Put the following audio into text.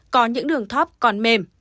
có những đường thóp còn mềm